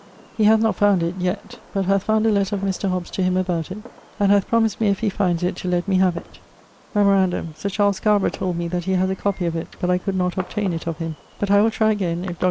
He hath not found it yet but hath found a letter of Mr. Hobbes to him about it, and hath promised me if he finds it to let me have it. ☞ Memorandum Sir Charles Scarborough told me that he haz a copie of it, but I could not obtaine it of him; but I will try again, if Dr. Birket cannot find it.